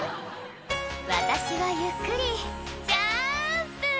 「私はゆっくりジャンプ」